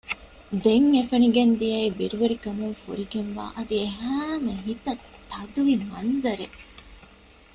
ދެން އެ ފެނިގެން ދިޔައީ ބިރުވެރިކަމުން ފުރިގެންވާ އަދި އެހައިމެ ހިތަށް ތަދުވި މަންޒަރެއް